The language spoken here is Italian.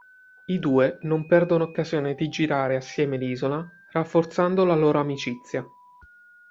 I due non perdono occasione di girare assieme l'isola rafforzando la loro amicizia.